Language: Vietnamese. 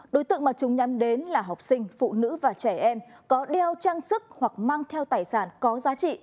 đối tượng mà chúng nhắm đến là học sinh phụ nữ và trẻ em có đeo trang sức hoặc mang theo tài sản có giá trị